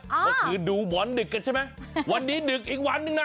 เมื่อคืนดูหมอนดึกกันใช่ไหมวันนี้ดึกอีกวันหนึ่งนะ